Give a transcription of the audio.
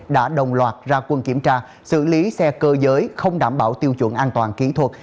đã đồng loạt ra quân kiểm tra xử lý xe cơ giới không đảm bảo tiêu chuẩn an toàn kỹ thuật